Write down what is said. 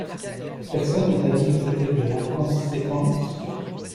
Personne ne t’a dit que c’était de l’inconséquence?